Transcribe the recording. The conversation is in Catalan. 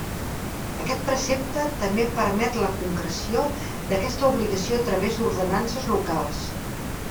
Aquest precepte també permet la concreció d'aquesta obligació a través d'ordenances locals.